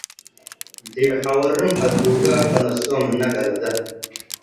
ዲብ ሐወርም ሀዱገ ከነሰኦ ምነ ግለደ